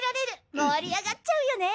盛り上がっちゃうよね。